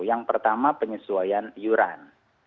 yang pertama penyesuaian iuran